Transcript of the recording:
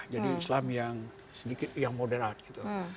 jadi islam yang sedikit yang moderat gitu